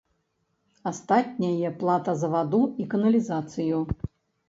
Астатняе плата за ваду і каналізацыю.